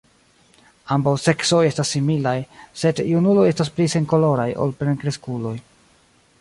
Ambaŭ seksoj estas similaj, sed junuloj estas pli senkoloraj ol plenkreskuloj.